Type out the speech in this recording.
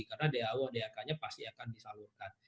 karena dao daknya pasti akan disalurkan